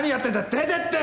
出てって！